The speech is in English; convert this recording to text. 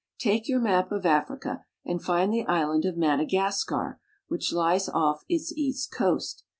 Take your map of Africa, and find the island of Madagas car, which lies ofl its east coast.